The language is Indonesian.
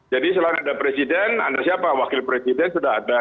jadi selain ada presiden ada siapa wakil presiden sudah ada